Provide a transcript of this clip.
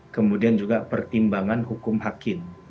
kemudian juga pertimbangan hukum hakim